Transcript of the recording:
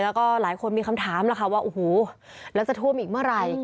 แล้วก็หลายคนมีคำถามแล้วค่ะว่าโอ้โหแล้วจะท่วมอีกเมื่อไหร่